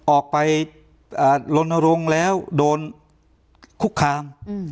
ออกไปลนรงค์แล้วโดนคุกคาม